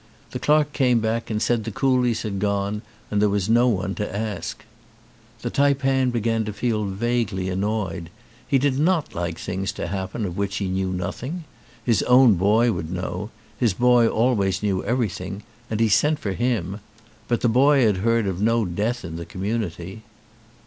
The clerk came back and said the coolies had gone and there was no one to ask. The taipan began to feel vaguely annoyed : he did not like things to happen of which he knew nothing. His own boy would know, his boy always knew everything, and he sent for him ; but the boy had heard of no death in the community.